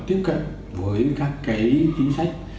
tiếp cận với các chính sách